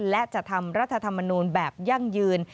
และจะทำรัฐธรรมนูลแบบยั่งยืน